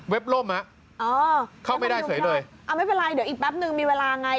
ล่มฮะอ๋อเข้าไม่ได้เฉยเลยเอาไม่เป็นไรเดี๋ยวอีกแป๊บนึงมีเวลาไง